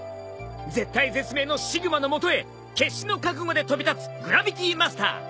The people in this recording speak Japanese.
絶体絶命のシグマのもとへ決死の覚悟で飛び立つグラビティマスター。